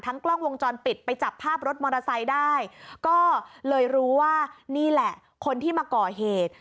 กล้องวงจรปิดไปจับภาพรถมอเตอร์ไซค์ได้ก็เลยรู้ว่านี่แหละคนที่มาก่อเหตุ